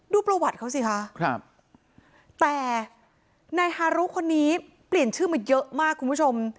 ดูประวัติเขาสิคะครับแต่นายฮารุคนนี้เปลี่ยนชื่อมาเยอะมากคุณผู้ชม